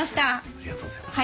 ありがとうございます。